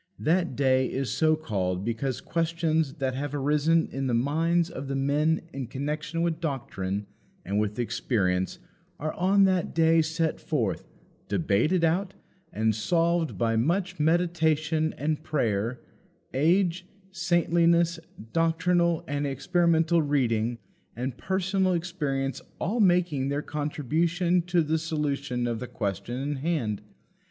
That day is so called because questions that have arisen in the minds of "the men" in connection with doctrine and with experience are on that day set forth, debated out, and solved by much meditation and prayer; age, saintliness, doctrinal and experimental reading, and personal experience all making their contribution to the solution of the question in hand.